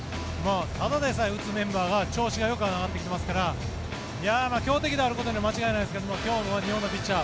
ただでさえ打つメンバーが調子が上がってきてますから強敵であることには間違いないですが今日の日本のピッチャー